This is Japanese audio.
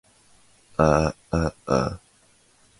お座も胃の腑も冷めてしまう